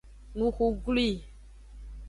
Nuxu glwi.